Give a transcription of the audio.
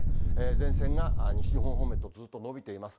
前線が西日本方面へとずっと延びています。